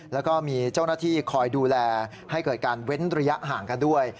แล้วก็มีเจ้าหน้าที่คอยดูแลให้เกิดการเว้นระยะห่างกันด้วย